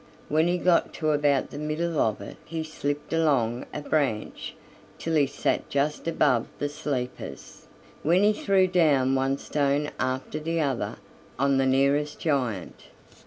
When he got to about the middle of it he slipped along a branch till he sat just above the sleepers, when he threw down one stone after the other on the nearest giant.